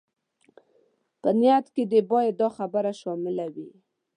په نيت کې دې بايد دا خبره شامله وي.